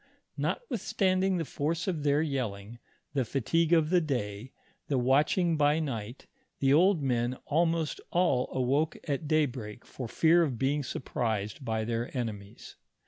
Notwithstanding the force of their yelling, the fatigue of the day, the watching by night, the old men almost all awoke at daybreak for fear of being surprised by their enemies.